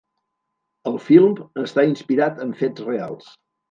El film està inspirat en fets reals.